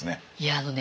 あのね